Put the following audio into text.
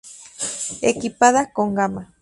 Equipada con gamma.